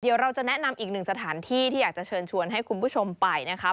เดี๋ยวเราจะแนะนำอีกหนึ่งสถานที่ที่อยากจะเชิญชวนให้คุณผู้ชมไปนะครับ